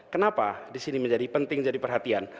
kenapa disini menjadi penting jadi perhatian